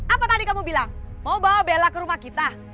apa tadi kamu bilang mau bawa bela ke rumah kita